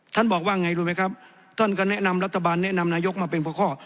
บอกว่าไงรู้ไหมครับท่านก็แนะนำรัฐบาลแนะนำนายกมาเป็นเพราะข้อ